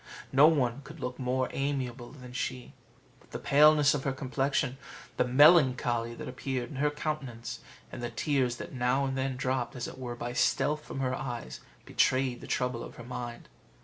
No one could look more amiable than she; but the paleness of her complexion, the melancholy that appeared in her countenance, and the tears that now and then dropped, as it were by stealth, from her eyes, betrayed the trouble of her mind.